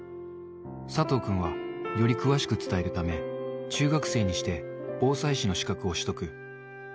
佐藤君はより詳しく伝えるため、中学生にして防災士の資格を取得。